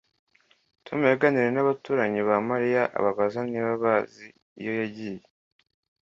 Tom yaganiriye nabaturanyi ba Mariya ababaza niba bazi iyo yagiye